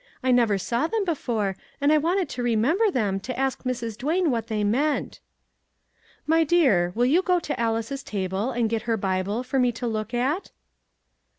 I never saw them before, and I wanted to remem ber them, to ask Mrs. Duane what they meant." " My dear, will you go to Alice's table and get her Bible for me to look at?